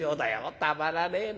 たまらねえな。